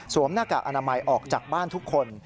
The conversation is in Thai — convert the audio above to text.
หน้ากากอนามัยออกจากบ้านทุกคน